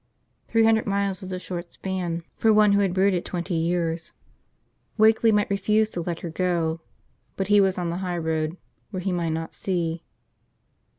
Three hundred miles was a short span for one who had brooded twenty years. Wakeley might refuse to let her go – but he was on the high road – where he might not see.